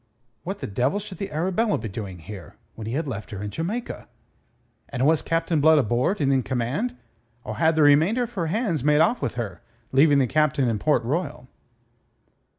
What the devil should the Arabella be doing here, when he had left her in Jamaica? And was Captain Blood aboard and in command, or had the remainder of her hands made off with her, leaving the Captain in Port Royal?